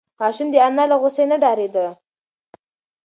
ماشوم د انا له غوسې نه ډارېده.